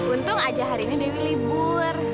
untung aja hari ini dewi libur